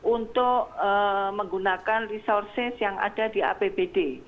untuk menggunakan resources yang ada di apbd